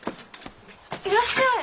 いらっしゃい！